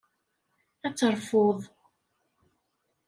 Ad terfuḍ.